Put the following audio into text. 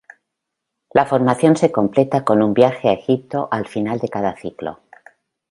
La formación se completa con un viaje a Egipto al final de cada ciclo.